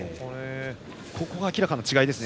ここが明らかな違いです